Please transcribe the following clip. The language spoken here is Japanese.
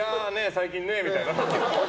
最近ねみたいな。